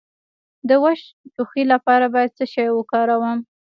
د وچ ټوخي لپاره باید څه شی وکاروم؟